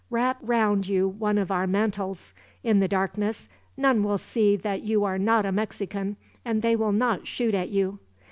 Wrap round you one of our mantles. In the darkness, none will see that you are not a Mexican, and they will not shoot at you.